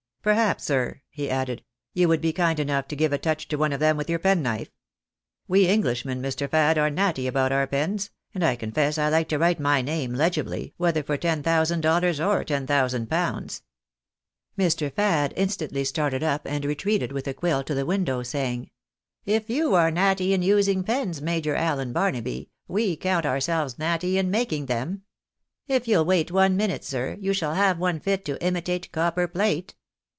" Perhaps, sir," he added, " you would be kind enough to give a touch to one of them with your penknife ? We Englishmen, Mr. Fad, are natty about our pens, and I confess I like to write my name legibly, whether for ten thousand dollars or ten thousand pounds." Mr. Fad instantly started up and retreated with a quill to the ■window, saying — 280 Till!, JOAK«A15Ii3 IJN AfllEKlUA. "If you are natty in using pens, Major Allen Barnaby, we count ourselves natty in making them. If you'll wait one minute, sir, you shall have one fit to imitate copper plate."